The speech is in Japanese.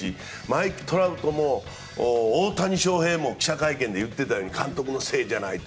マイク・トラウトも、大谷翔平も記者会見で言っていたように監督のせいじゃない。